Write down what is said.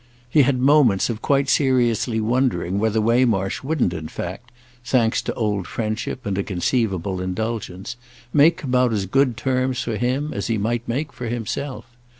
He had moments of quite seriously wondering whether Waymarsh wouldn't in fact, thanks to old friendship and a conceivable indulgence, make about as good terms for him as he might make for himself.